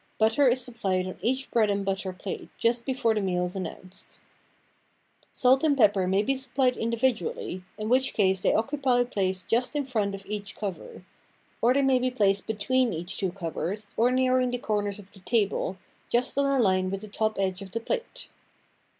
Butter is supplied on each bread and butter plate just before the meal is announced. A Chippendale Coffee urn Salt and pepper may be supplied individually, in which case they occupy a place just in front of each cover; or they may be placed between each two covers, or nearing the corners of the table, just on a line with the top edge of the plate.